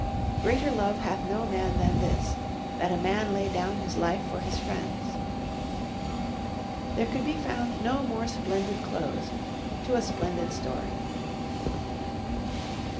"Greater love hath no man than this, that a man lay down his life for his friends." There could be found no more splendid close to a splendid story.